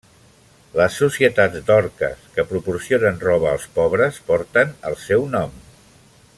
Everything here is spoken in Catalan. Les Societats Dorques, que proporcionen roba als pobres, porten el seu nom.